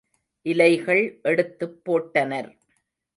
இலைகள் எடுத்துப் போட்டனர்.